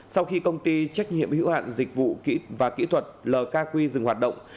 sau khi công ty trách nhiệm hữu hạn dịch vụ và kỹ thuật lkq dừng hoạt động